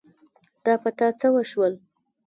دا په تا څه وشول ؟